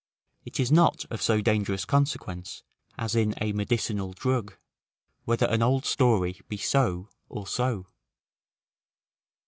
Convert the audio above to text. It is not of so dangerous consequence, as in a medicinal drug, whether an old story be so or so.